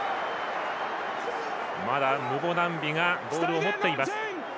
まだムボナンビがボールを持っています。